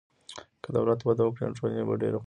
که دولت وده وکړي، نو ټولني به ډېره خوشحاله سي.